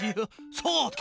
そうだ！